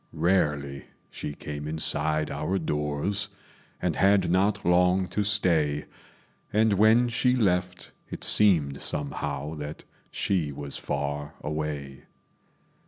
Rarely she came inside our doors, And had not long to stay; And when she left, it seemed somehow That she was far away.